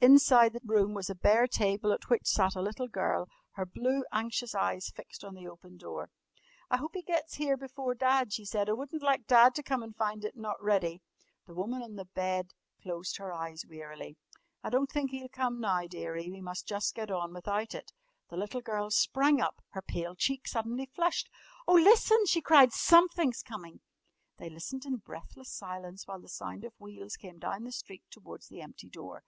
Inside the room was a bare table at which sat a little girl, her blue, anxious eyes fixed on the open door. "I hope he gets here before Dad," she said. "I wouldn't like Dad to come and find it not ready!" The woman on the bed closed her eyes wearily. "I don't think he'll come now, dearie. We must just get on without it." The little girl sprang up, her pale cheek suddenly flushed. "Oh, listen!" she cried; "something's coming!" They listened in breathless silence, while the sound of wheels came down the street towards the empty door.